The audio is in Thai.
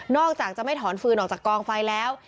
อกจากจะไม่ถอนฟืนออกจากกองไฟแล้ว